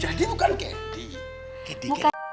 jadi bukan kedi